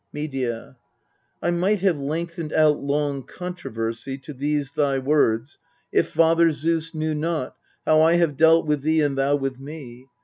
Medea, I might have lengthened out long controversy To these thy words, if Father Zeus knew not How I have dealt with thee and thou with me.